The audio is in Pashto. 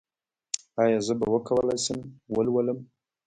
ایا زه به وکولی شم ولولم؟